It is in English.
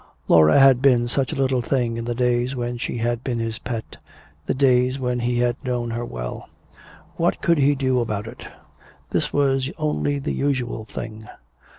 Laura had been such a little thing in the days when she had been his pet, the days when he had known her well. What could he do about it? This was only the usual thing.